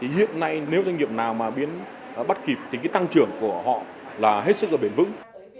hiện nay nếu doanh nghiệp nào mà biến bắt kịp thì tăng trưởng của họ là hết sức là bền vững